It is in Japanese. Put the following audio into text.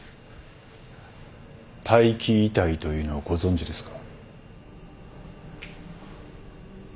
待機遺体というのをご存じですか？